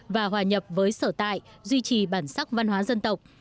và hòa nhập với sở tại duy trì bản sắc văn hóa dân tộc